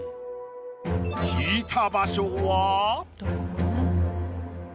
引いた場所は？